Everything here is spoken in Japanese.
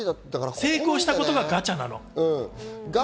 成功したことがガチャなの。